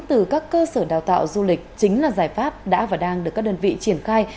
từ các cơ sở đào tạo du lịch chính là giải pháp đã và đang được các đơn vị triển khai